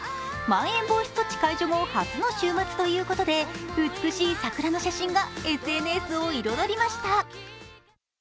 まん延防止措置解除後、初の週末ということで、美しい桜の写真がＳＮＳを彩りました。